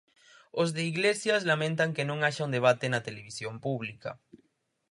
Os de Iglesias lamentan que non haxa un debate na televisión pública.